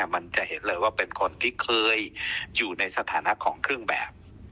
มันจะเห็นเลยว่าเป็นคนที่เคยอยู่ในสถานะของเครื่องแบบ